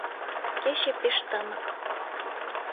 Кече пеш тымык.